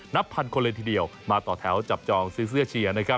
นับพันคนเลยทีเดียวมาต่อแถวจับจองซื้อเสื้อเชียร์